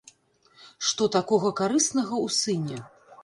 Што такога карыснага ў сыне?